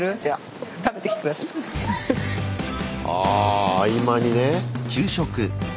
あ合間にね。